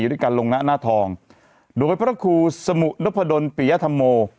อยู่ด้วยกันลงนั้นหน้าทองโดยพระครูสมุดพระดนปิยธรรโม